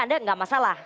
anda enggak masalah